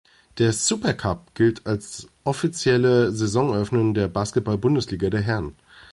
Der Supercup gilt als offizielle Saisoneröffnung der Basketball-Bundesliga der Herren.